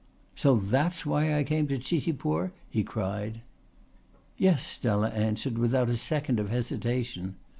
"So that's why I came to Chitipur?" he cried. "Yes," Stella answered without a second of hesitation.